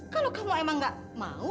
kalau kamu emang gak mau